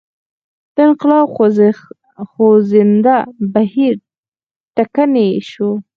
د انقلاب خوځنده بهیر ټکنی شو.